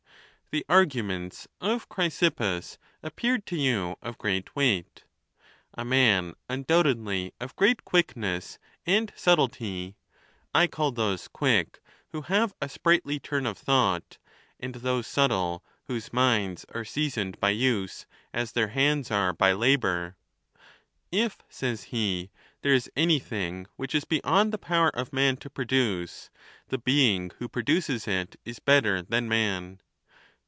327 The arguments of Chryappus appeared to you of great weight; a man undoubtedly of great quickness and sub tlety (I call those quick who have a sprightly turn of thought, and those subtle whose minds are seasoned by use as their hands are by labor) :" If," says he, " there is any thing which is beyond the power of man to produce, the being who produces it is better than man.